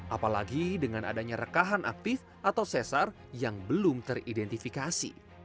apalagi dengan adanya rekahan aktif atau sesar yang belum teridentifikasi